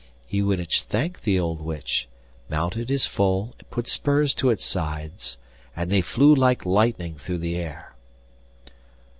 Iwanich thanked the old witch, mounted his foal, put spurs to its sides, and they flew like lightning through the air.